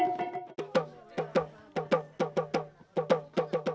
ini airnya digagangkan sendiri